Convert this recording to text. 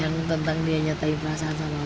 yang tentang dia nyatain perasaan sama lo